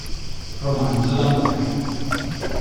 Romanzo d'amore